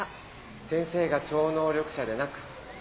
先生が超能力者でなくって。